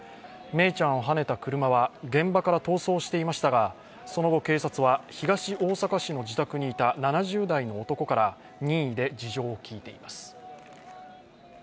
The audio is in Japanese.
愛李ちゃんをはねた車は現場から逃走していましたが、その後、警察は東大阪市の自宅にいた７０代の男から任意で事情を聴いています。